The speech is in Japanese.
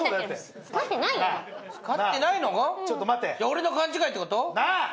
俺の勘違いってこと？なあ！